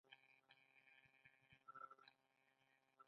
د بید پاڼې د تبې لپاره وکاروئ